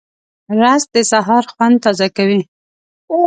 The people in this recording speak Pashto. رس د سهار خوند تازه کوي